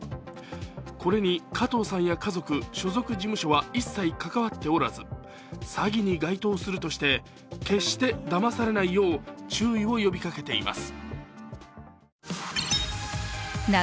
これに加藤さんや家族、所属事務所は一切関わっておらず詐欺に該当するとして、決してだまされないよう注意を呼びかけています。